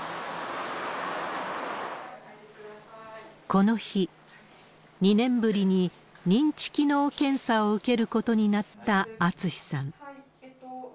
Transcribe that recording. この日、２年ぶりに認知機能検査を受けることになった厚さん。